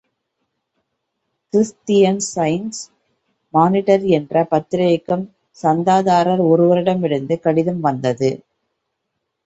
Christian Science Monitor என்ற பத்திரிகைக்கும் சந்தாதாரர் ஒருவரிடமிருந்து கடிதம் வந்தது.